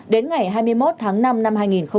đến ngày hai mươi một tháng năm năm hai nghìn hai mươi